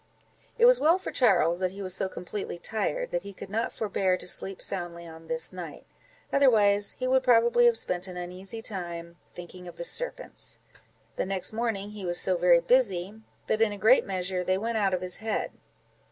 It was well for Charles that he was so completely tired, that he could not forbear to sleep soundly on this night, otherwise he would probably have spent an uneasy time, thinking of the serpents. The next morning he was so very busy, that in a great measure they went out of his head.